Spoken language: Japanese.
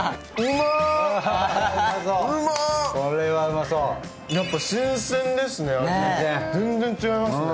まぁこれはうまそうやっぱ新鮮ですね全然違いますね